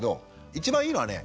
一番いいのはね